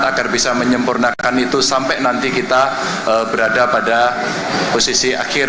agar bisa menyempurnakan itu sampai nanti kita berada pada posisi akhir